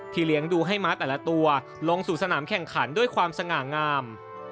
เลี้ยงดูให้ม้าแต่ละตัวลงสู่สนามแข่งขันด้วยความสง่างาม